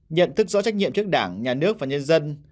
nhận thức rõ trách nhiệm trước đảng nhà nước và nhân dân